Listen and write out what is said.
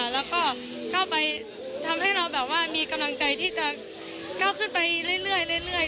แล้วก็ทำให้เรามีกำลังใจที่จะเข้าขึ้นออกไปเรื่อย